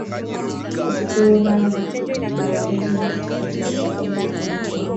Kufura na ngozi ya katikati ya kwato kugeuka nyekundu